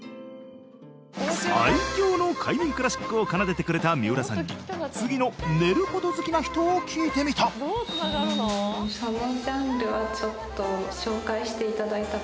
最強の快眠クラシックを奏でてくれた三浦さんに次の寝ること好きな人を聞いてみたちょっと紹介していただいた